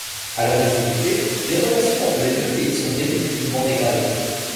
Alors exécuté, les relations entre les deux pays sont définitivement dégradés.